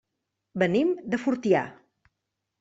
Venim de Fortià.